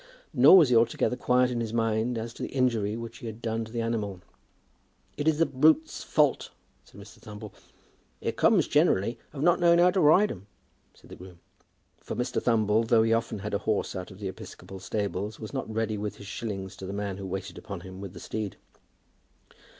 Nor was he altogether quiet in his mind as to the injury which he had done to the animal. "It was the brute's fault," said Mr. Thumble. "It comes generally of not knowing how to ride 'em," said the groom. For Mr. Thumble, though he often had a horse out of the episcopal stables, was not ready with his shillings to the man who waited upon him with the steed.